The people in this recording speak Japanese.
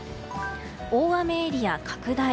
大雨エリア、拡大。